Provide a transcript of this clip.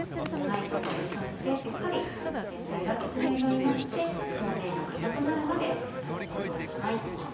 こういう感じでしっかり全体がきつね色になって表面が硬くなるまで揚げてください。